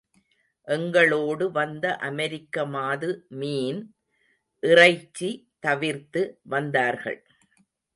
எங்களோடு வந்த அமெரிக்க மாது மீன், இறைச்சி தவிர்த்து வந்தார்கள்.